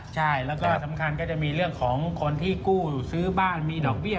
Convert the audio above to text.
ใช่แล้วก็สำคัญก็จะมีเรื่องของคนที่กู้ซื้อบ้านมีดอกเบี้ย